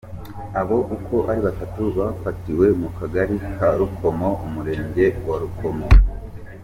Aba uko ari batatu bafatiwe mu Kagari ka Rukomo, Umurenge wa Rukomo.